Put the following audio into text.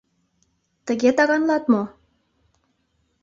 Тыге таганлат мо?